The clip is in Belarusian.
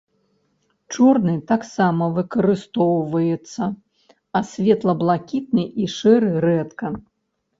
Чорны таксама выкарыстоўваецца, а светла-блакітны і шэры рэдка.